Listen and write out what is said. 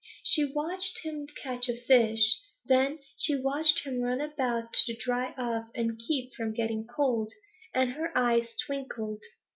She watched him catch a fish. Then she watched him run about to dry off and keep from getting cold, and her eyes twinkled.